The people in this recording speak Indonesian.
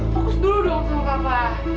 fokus dulu dong sama kakak